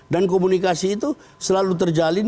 dan komunikasi itu selalu terjalin